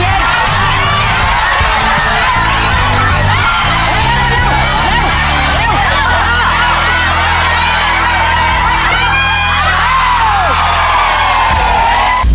เร็วเร็วเร็ว